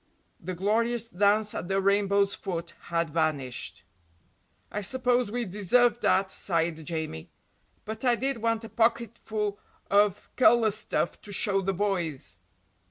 The glorious dance at the rainbow's foot had vanished. "I suppose we deserved that," sighed Jamie, "but I did want a pocketful of colour stuff to show the boys."